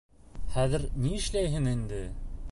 Хәҙер ни эшләйһең инде?